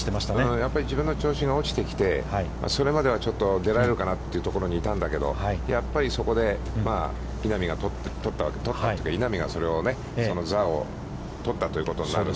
やっぱり自分の調子が落ちてきてそれまではちょっと出られるかなというところにいたんだけど、やっぱりそこで稲見が取ったというか、稲見が、その座を取ったということになるので。